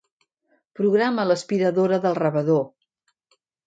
Programa l'aspiradora del rebedor.